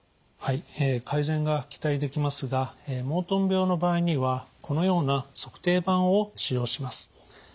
はい改善が期待できますがモートン病の場合にはこのような足底板を使用します。